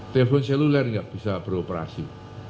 telepon seluler nggak bisa beroperasi